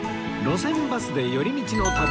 『路線バスで寄り道の旅』